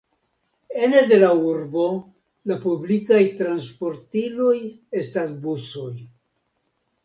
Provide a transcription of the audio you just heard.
Ene de la urbo, la publikaj transportiloj estas busoj.